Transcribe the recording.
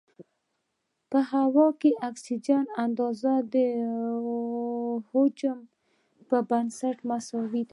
په هوا کې د اکسیجن اندازه د حجم په بنسټ مساوي ده.